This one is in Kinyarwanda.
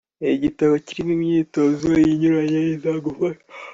Ni igitabo kirimo imyitozo inyuranye izagufasha